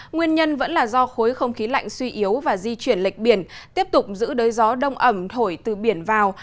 nguyên nhân vẫn là do khối không khí lạnh suy yếu và di chuyển lệch biển tiếp tục giữ đới gió đông ẩm thổi từ biển vào